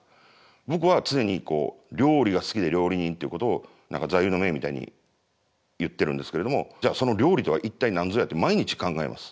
僕は常に料理が好きで料理人っていうことを何か座右の銘みたいに言ってるんですけれどもじゃあその料理とは一体何ぞやって毎日考えます。